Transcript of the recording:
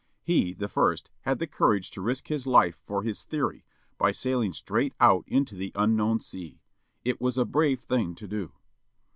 He, the first, had the courage to risk his life for his theory, by sailing straight out into the unknown sea. It was a brave thing to do.